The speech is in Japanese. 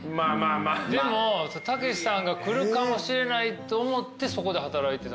でも武さんが来るかもしれないと思ってそこで働いてたんですか？